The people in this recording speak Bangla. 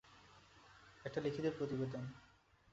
একটা লিখিত প্রতিবেদন।